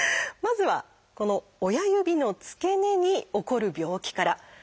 まずはこの親指の付け根に起こる病気から。